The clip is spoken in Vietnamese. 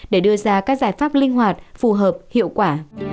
để đưa ra các giải pháp linh hoạt phù hợp hiệu quả